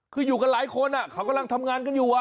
คืออยู่กันหลายคนเขากำลังทำงานกันอยู่